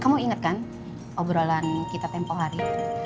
kamu inget kan obrolan kita tempoh hari